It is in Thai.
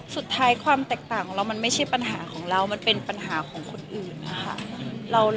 ความแตกต่างของเรามันไม่ใช่ปัญหาของเรามันเป็นปัญหาของคนอื่นนะคะ